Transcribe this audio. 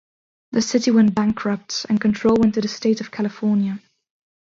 The city went bankrupt and control went to the State of California.